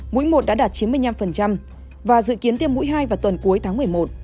mũi một đã đạt chín mươi năm và dự kiến thêm mũi hai vào tuần cuối tháng một mươi một